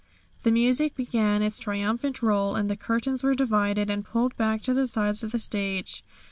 The music began its triumphant roll, and the curtains were divided and pulled back to the sides of the stage.